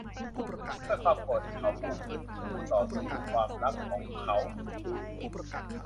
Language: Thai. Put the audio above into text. ด้วยความโกรธเขาปูพื้นคู่ต่อสู้ความรักของเขา